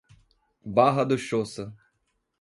Barra do Choça